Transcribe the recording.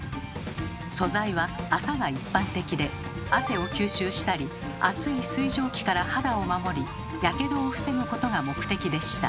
素材は麻が一般的で汗を吸収したり熱い水蒸気から肌を守りヤケドを防ぐことが目的でした。